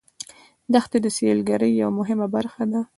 دښتې د سیلګرۍ یوه مهمه برخه ده.